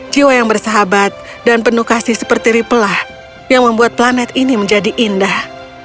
jiwa yang bersahabat dan penuh kasih seperti ripelah yang membuat planet ini menjadi indah